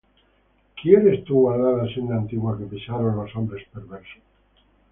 ¿Quieres tú guardar la senda antigua, Que pisaron los hombres perversos?